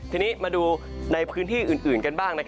ทีนี้มาดูในพื้นที่อื่นกันบ้าง